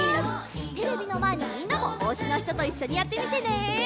テレビのまえのみんなもおうちのひとといっしょにやってみてね！